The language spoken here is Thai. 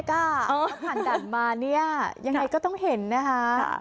เขาผ่านด่านมาเนี่ยยังไงก็ต้องเห็นนะคะ